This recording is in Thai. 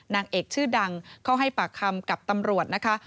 นางเอกชื่อดังเข้าให้ปากคำกับตำรวจนะคะ